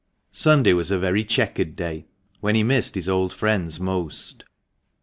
Sunday was a very chequered day ; when he missed his old friends most.